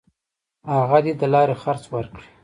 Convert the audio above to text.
هغه د لارې خرڅ ورکړي.